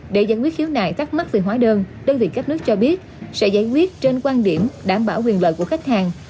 để giải quyết khiếu nại thắc mắc về hóa đơn đơn vị cấp nước cho biết sẽ giải quyết trên quan điểm đảm bảo quyền lợi của khách hàng